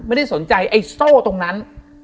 ไม่ได้สนใจไอ้โซ่ตรงนั้น